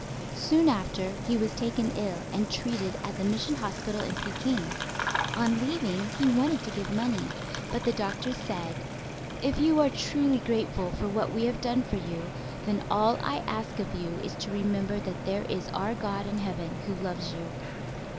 Soon after, he was taken ill and treated at the mission hospital in Peking. On leaving, he wanted to give money; but the doctor said. "If you are truly grateful for what we have done for you, then all I ask of you is to remember that there is our God in heaven Who loves you."